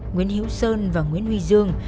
nguyễn hiếu sơn và nguyễn huy dương